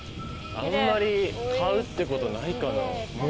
あんまり買うってことないかも。